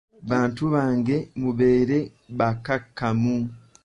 Bantu bange mubeere bakkakkamu.